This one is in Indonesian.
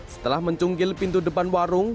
setelah mencunggil pintu depan warung